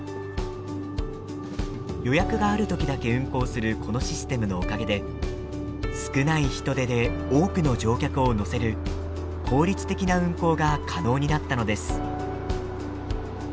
予約がある時だけ運行するこのシステムのおかげで少ない人手で多くの乗客を乗せる効率的な運行が可能になったのです。